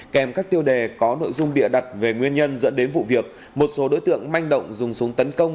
kèm các tiêu đề có nội dung bịa đặt về nguyên nhân dẫn đến vụ việc một số đối tượng manh động dùng súng tấn công